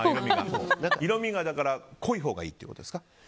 色味が濃いほうがいいってことですか？